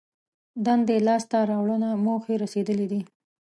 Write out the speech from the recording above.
دندې لاس ته راوړنه موخې رسېدلي دي.